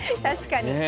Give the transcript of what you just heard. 確かに。